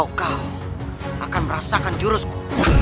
atau kau akan merasakan jurusku